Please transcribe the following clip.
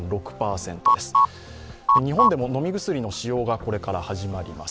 日本でも飲み薬の使用がこれから始まります。